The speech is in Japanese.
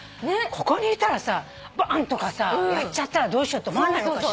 ここにいたらさバンッとかさやっちゃったらどうしようって思わないのかしら。